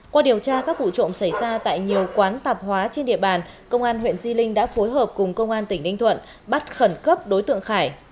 qua điều tra các vụ trộm xảy ra tại nhiều quán tạp hóa trên địa bàn công an huyện di linh đã phối hợp cùng công an tỉnh ninh thuận bắt khẩn cấp đối tượng khải